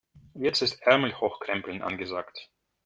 Jetzt ist Ärmel hochkrempeln angesagt.